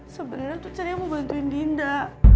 sebenernya tuh caranya mau bantuin dinda